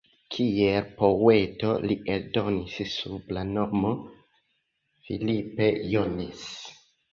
Kiel poeto li eldonis sub la nomo "Philippe Jones".